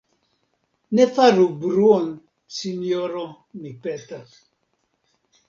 Ne faru bruon, sinjoro, mi petas.